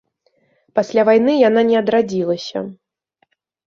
Пасля вайны яна не адрадзілася.